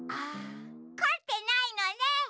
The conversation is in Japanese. こってないのね！